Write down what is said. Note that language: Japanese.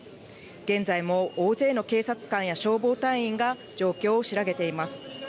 現在も大勢の警察官や消防隊員が状況を調べています。